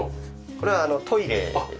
これはトイレです。